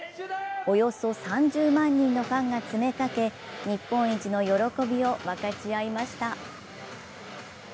およそ３０万人のファンが詰めかけ日本一の喜びを分かち合いました。